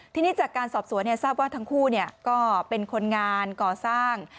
ทีนี้จากการสอบสวนทราบว่าทั้งคู่ก็เป็นคนงานก่อสร้าง